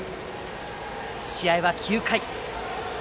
試合は９回。